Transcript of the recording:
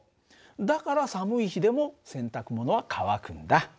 だから寒い日でも洗濯物は乾くんだ。